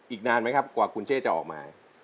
อีกนานไหมครับกว่าคุณเจ้จะออกมา